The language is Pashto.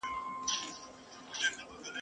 یکه زار سیوری د ولو ږغ راځي له کوهستانه ..